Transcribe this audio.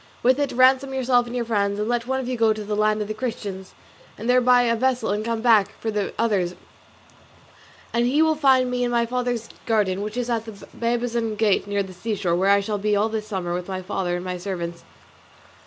With it ransom yourself and your friends, and let one of you go to the land of the Christians, and there buy a vessel and come back for the others; and he will find me in my father's garden, which is at the Babazon gate near the seashore, where I shall be all this summer with my father and my servants.